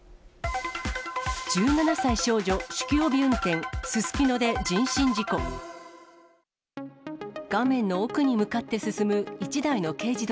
１７歳少女、酒気帯び運転、すすきので人身事故。